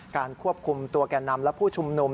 ควบคุมตัวแก่นำและผู้ชุมนุม